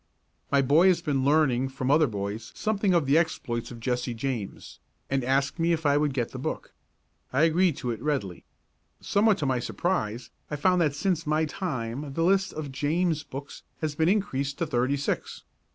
My boy had been learning from other boys something of the exploits of Jesse James and asked me if I would get the book. I agreed to it, readily. Somewhat to my surprise I found that since my time the list of James books had been increased to thirty six.